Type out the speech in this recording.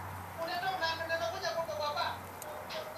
kiasi kikubwa zaidi cha dawa ya kulevya zinahitajika jinsi muda unavyozidi